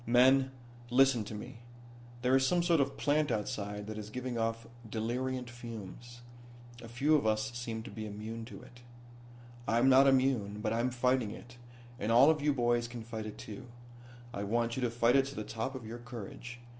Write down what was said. "Men, listen to me. There is some sort of plant outside that is giving off deliriant fumes. A few of us seem to be immune to it. "I'm not immune, but I'm fighting it, and all of you boys can fight it too. I want you to fight it to the top of your courage.